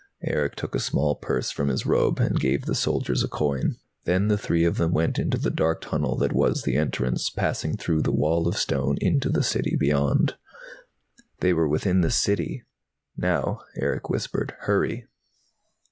Erick took a small purse from his robes and gave the soldier a coin. Then the three of them went into the dark tunnel that was the entrance, passing through the wall of stone, into the City beyond. They were within the City! "Now," Erick whispered. "Hurry."